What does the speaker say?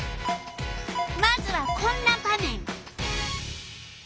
まずはこんな場面！